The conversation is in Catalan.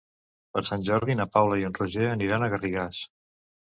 Per Sant Jordi na Paula i en Roger aniran a Garrigàs.